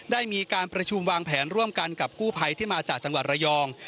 ได้มีการประชุมวางแผนร่วมกันกับกู้ภัยที่มาจากจังหวัดระยอง